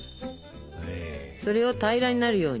それを平らになるように。